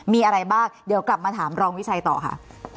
มีอะไรบ้างเดี๋ยวกลับมาถามรองวิชัยต่อค่ะ